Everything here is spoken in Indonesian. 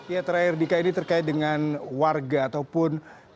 ya terakhir dika ini terkait dengan warga ataupun